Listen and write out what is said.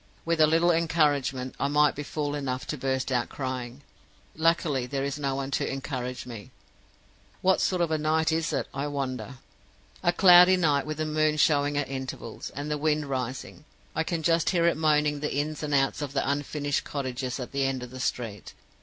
With a little encouragement, I might be fool enough to burst out crying. Luckily, there is no one to encourage me. What sort of a night is it, I wonder? "A cloudy night, with the moon showing at intervals, and the wind rising. I can just hear it moaning among the ins and outs of the unfinished cottages at the end of the street.